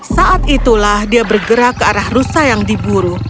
saat itulah dia bergerak ke arah rusa yang diburu